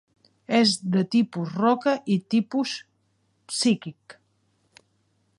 És de tipus roca i tipus psíquic.